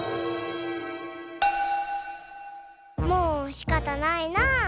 もうしかたないなぁ。